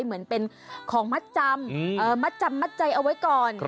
เหมือนเป็นของมัดจำมัดจำมัดใจเอาไว้ก่อน